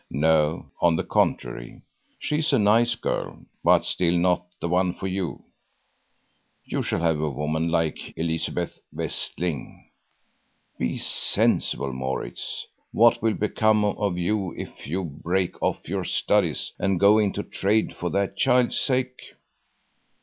"No, on the contrary; she is a nice girl, but still not the one for you. You shall have a woman like Elizabeth Westling. Be sensible, Maurits; what will become of you if you break off your studies and go into trade for that child's sake.